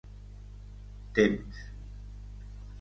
Temps.